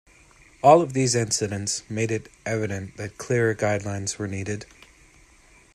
All of these incidents made it evident that clearer guidelines were needed.